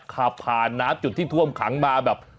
ขับผ่านน้ำจุดที่ท่วมขังมาแบบ